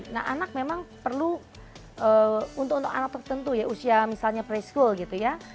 nah anak memang perlu untuk anak tertentu ya usia misalnya preschool gitu ya